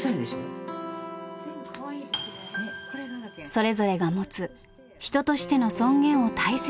「それぞれが持つ人としての尊厳を大切にしたい」。